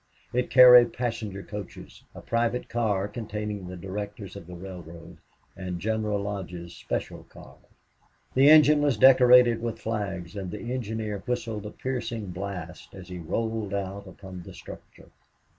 It carried passenger coaches, a private car containing the directors of the railroad, and General Lodge's special car. The engine was decorated with flags and the engineer whistled a piercing blast as he rolled out upon the structure.